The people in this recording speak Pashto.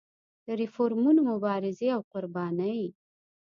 د ریفورمونو مبارزې او قربانۍ.